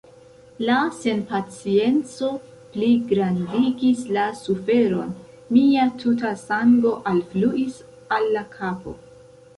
La senpacienco pligrandigis la suferon; mia tuta sango alfluis al la kapo.